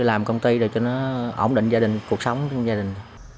làm công ty được cho nó ổn định gia đình cuộc sống của gia đình